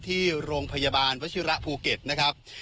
ที่โรงพยาบาลวัชิระภูเก็ตนะครับ